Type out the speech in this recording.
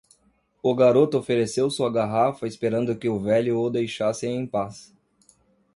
O garoto ofereceu sua garrafa, esperando que o velho o deixasse em paz.